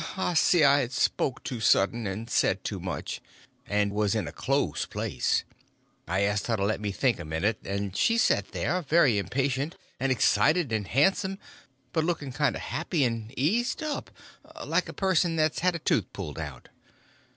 _ I see I had spoke too sudden and said too much, and was in a close place. I asked her to let me think a minute; and she set there, very impatient and excited and handsome, but looking kind of happy and eased up, like a person that's had a tooth pulled out.